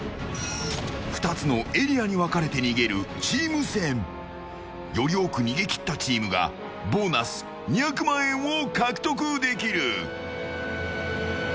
２つのエリアに分かれて逃げるチーム戦。より多く逃げ切ったチームがボーナス２００万円を獲得できる。